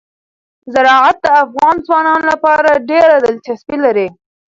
زراعت د افغان ځوانانو لپاره ډېره دلچسپي لري.